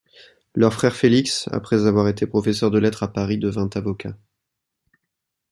Leur frère Félix, après avoir été professeur de lettres à Paris devint Avocat.